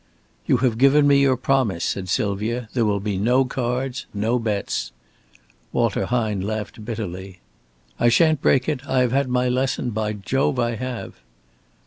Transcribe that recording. "You have given me your promise," said Sylvia. "There will be no cards, no bets." Walter Hine laughed bitterly. "I shan't break it. I have had my lesson. By Jove, I have."